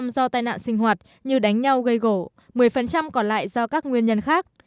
bảy mươi do tai nạn sinh hoạt như đánh nhau gây gỗ một mươi còn lại do các nguyên nhân khác